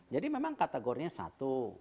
jadi memang kategorinya satu